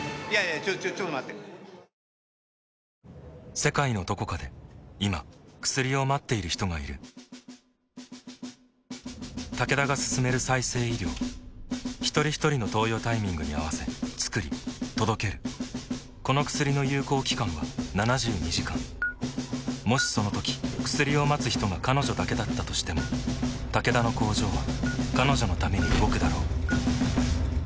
世界のどこかで今薬を待っている人がいるタケダが進める再生医療ひとりひとりの投与タイミングに合わせつくり届けるこの薬の有効期間は７２時間もしそのとき薬を待つ人が彼女だけだったとしてもタケダの工場は彼女のために動くだろう